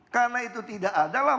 karena itu tidak ada lah